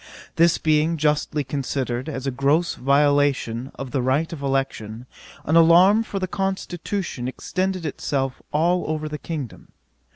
This being justly considered as a gross violation of the right of election, an alarm for the constitution extended itself all over the kingdom.